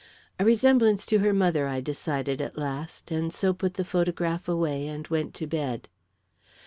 A resemblance to her mother, I decided at last, and so put the photograph away and went to bed.